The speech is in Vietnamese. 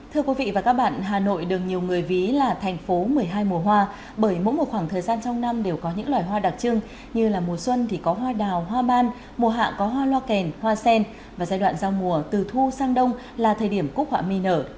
hà nội đừng nhiều người ví là thành phố một mươi hai mùa hoa bởi mỗi mùa khoảng thời gian trong năm đều có những loài hoa đặc trưng như là mùa xuân thì có hoa đào hoa ban mùa hạ có hoa loa kèn hoa sen và giai đoạn giao mùa từ thu sang đông là thời điểm cúc họa mi nở